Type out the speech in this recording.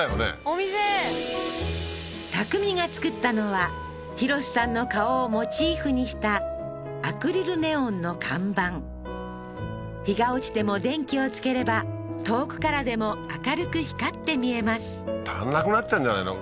お店匠が作ったのは浩さんの顔をモチーフにしたアクリルネオンの看板日が落ちても電気をつければ遠くからでも明るく光って見えます足んなくなっちゃうんじゃないの？